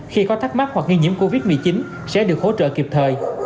khi có thắc mắc hoặc nghi nhiễm covid một mươi chín sẽ được hỗ trợ kịp thời